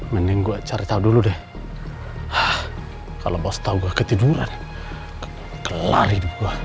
mending gua cari tahu dulu deh kalau bos tahu ketiduran kelari